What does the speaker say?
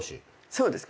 そうですか？